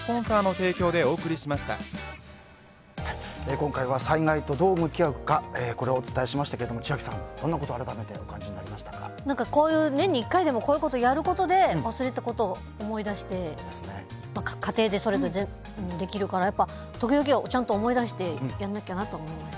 今回は災害とどう向き合うかをお伝えしましたが千秋さん、どんなことを改めてこういう年に１回でもこういうことをやることで忘れてたことを思い出して家庭でもできるから時々はちゃんと思い出してやらなきゃなと思いました。